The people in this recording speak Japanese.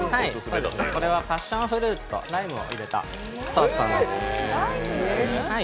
これはパッションフルーツとライムを入れたソースなので。